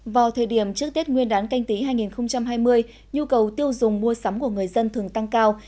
vào thời điểm trước tết nguyên đán canh tí hai nghìn hai mươi nhu cầu tiêu dùng mua sắm của người dân thường tăng cao